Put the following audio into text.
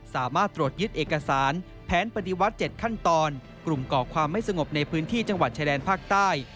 สามารถตรวจยึดเอกสารแผนปฏิวัติ๗ขั้นตอนกลุ่มก่อความไม่สงบในพื้นที่จังหวัดชายแดนภาคใต้